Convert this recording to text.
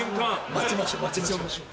待ちましょう待ちましょう。